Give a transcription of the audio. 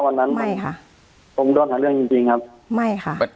วันนั้นไม่ค่ะผมโดนหาเรื่องจริงจริงครับไม่ค่ะ